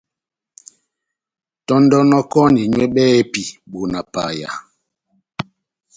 Tɔndonokɔni nywɛ bɛhɛpi bona paya.